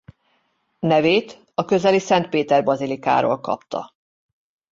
Nevét a közeli Szent Péter-bazilikáról kapta.